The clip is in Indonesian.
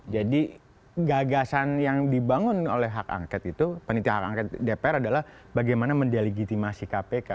jadi gagasan yang dibangun oleh hak angket dpr adalah bagaimana mendilegitimasi kpk